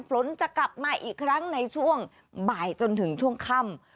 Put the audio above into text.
ฝนจะกลับมาอีกครั้งในช่วงบ่ายจนถึงช่วงค่ำ